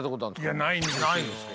いやないんですよ。